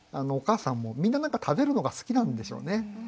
お母さんもみんな何か食べるのが好きなんでしょうね。